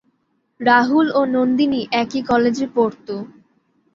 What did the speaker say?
রাহুল ও নন্দিনী একই কলেজে পড়ত।